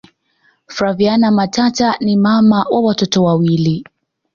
flaviana matata ni mama wa watoto wawilii